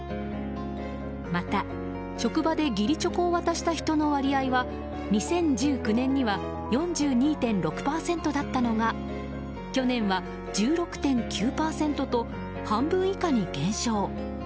また、職場で義理チョコを渡した人の割合は２０１９年には４２．６％だったのが去年は１６．９％と半分以下に減少。